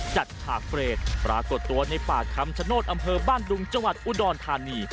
ฉากเฟรดปรากฏตัวในป่าคำชโนธอำเภอบ้านดุงจังหวัดอุดรธานี